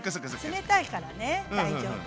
冷たいからね大丈夫。